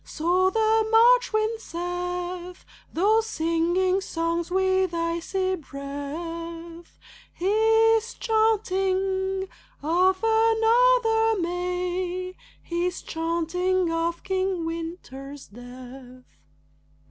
So the March wind saith. Though singing songs with icy breath, He's chanting of another May, He's chanting of King Winter's death.